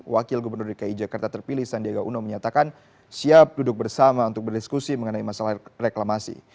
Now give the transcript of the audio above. wakil gubernur dki jakarta terpilih sandiaga uno menyatakan siap duduk bersama untuk berdiskusi mengenai masalah reklamasi